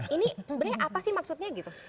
ini sebenarnya apa sih maksudnya gitu